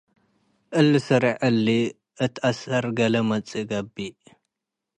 እሊ ስሬዕ እሊ እት አሰር ገሌ ላማጽእ ገብእ።